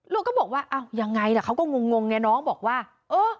ก็บอกว่าอ้าวยังไงล่ะเขาก็งงไงน้องบอกว่าเออ